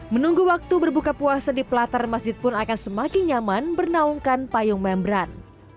menunggu waktu berbuka puasa di pelatar masjid pun akan semakin nyaman bernaungkan payung membran